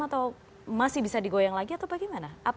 atau masih bisa digoyang lagi atau bagaimana